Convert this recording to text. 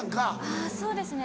あぁそうですね